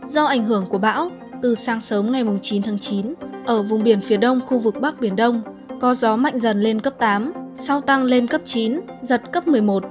do ảnh hưởng của bão từ sáng sớm ngày chín tháng chín ở vùng biển phía đông khu vực bắc biển đông có gió mạnh dần lên cấp tám sau tăng lên cấp chín giật cấp một mươi một